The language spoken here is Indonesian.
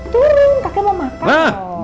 turun kakek mau makan